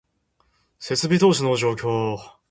設備投資の状況